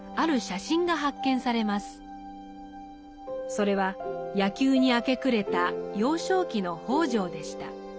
それは野球に明け暮れた幼少期の北條でした。